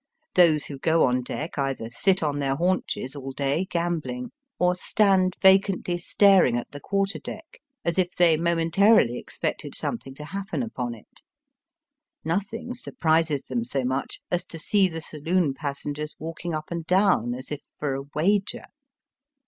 Those who go on deck either sit on their haunches all day gambling, or stand vacantly staring at the quarter deck, as if they momentarily ex pected something to happen upon it. Nothing surprises them so much as to see the saloon passengers walking up and down as if for a wager.